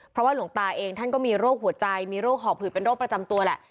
เพราะว่าหลวงตาเองท่านก็มีโรคหัวใจมีโรคหอบหืดเป็นโรคประจำตัวแหละ